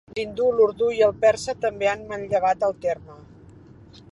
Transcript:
L'hindi, l'urdú i el persa també han manllevat el terme.